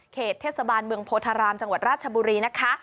เหตุเทศบาลเมืองโพธารามจังหวัดราชบุรีนะคะ